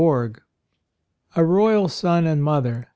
96 A ROYAL SON AND MOTHER.